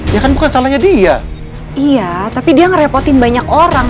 ya kan bukan calonnya dia iya tapi dia ngerepotin banyak orang